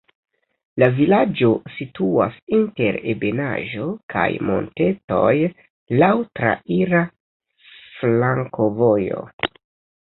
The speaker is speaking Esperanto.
La vilaĝo situas inter ebenaĵo kaj montetoj, laŭ traira flankovojo.